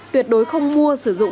tuyệt đối không mua sử dụng